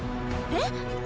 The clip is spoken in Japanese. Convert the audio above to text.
えっ⁉